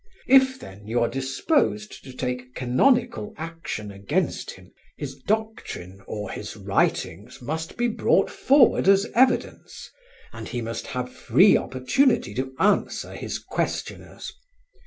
If, then, you are disposed to take canonical action against him, his doctrine or his writings must be brought forward as evidence, and he must have free opportunity to answer his questioners.